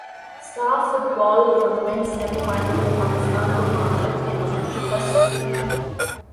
ساف football tournament semi final میں پاکستان کو بھارت کے ہاتھوں شکست